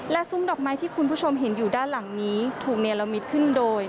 ซุ้มดอกไม้ที่คุณผู้ชมเห็นอยู่ด้านหลังนี้ถูกเนรมิตขึ้นโดย